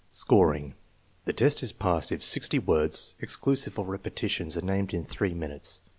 Scoring. The test is passed if sixty words, exclusive of repetitions, are named in three minutes.